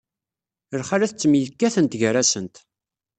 Lxalat ttemyekkatent gar-asent.